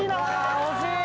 惜しい！